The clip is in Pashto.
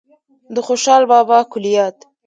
د خوشال بابا کلیات